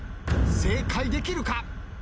正解できるか！？